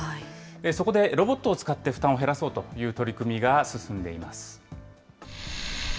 そこでロボットを使って負担を減らそうという取り組みが進んでいます。